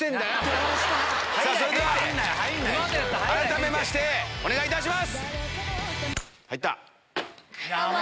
それでは改めましてお願いいたします！